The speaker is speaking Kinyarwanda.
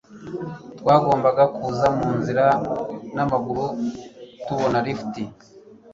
Twagombaga kuza munzira n'amaguru tubona rifuti.